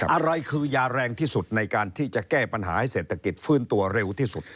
อะไรคือยาแรงที่สุดในการที่จะแก้ปัญหาให้เศรษฐกิจฟื้นตัวเร็วที่สุด